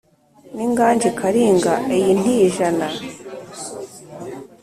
n’inganji karinga iyi ntijana